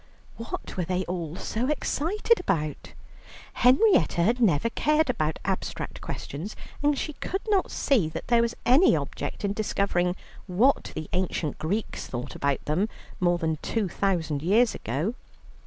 What were they all so excited about? Henrietta had never cared about abstract questions, and she could not see that there was any object in discovering what the ancient Greeks thought about them more than two thousand years ago.